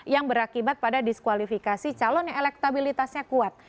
yang berakibat pada diskualifikasi calon yang elektabilitasnya kuat